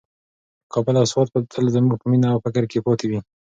کابل او سوات به تل زموږ په مینه او فکر کې پاتې وي.